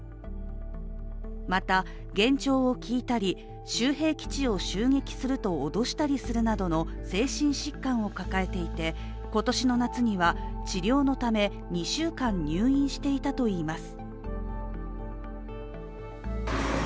また、幻聴を聞いたり州兵基地を襲撃すると脅したりするなどの精神疾患を抱えていて今年の夏には治療のため２週間入院していたといいます。